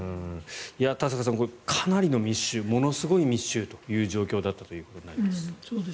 田坂さん、かなりの密集ものすごい密集だったということになります。